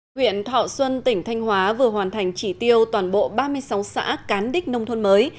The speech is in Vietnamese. huyện thọ xuân tỉnh thanh hóa vừa hoàn thành chỉ tiêu toàn bộ ba mươi sáu xã cán đích nông thôn mới